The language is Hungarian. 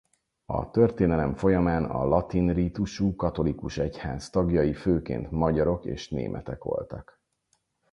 A történelem folyamán a latin rítusú katolikus egyház tagjai főként magyarok és németek voltak.